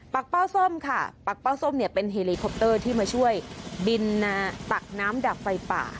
เป้าส้มค่ะปากเป้าส้มเนี่ยเป็นเฮลีคอปเตอร์ที่มาช่วยบินตักน้ำดับไฟป่า